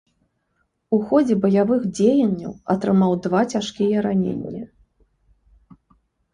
У ходзе баявых дзеянняў атрымаў два цяжкія раненні.